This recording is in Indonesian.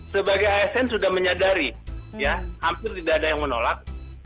sebagai asn sudah menyadari ya hampir tidak ada yang menolak